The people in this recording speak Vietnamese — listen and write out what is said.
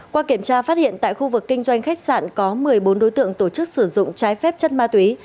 qua kiểm tra phát hiện tại khu vực kinh doanh khách sạn có một mươi bốn đối tượng tổ chức sử dụng trái phép chất ma túy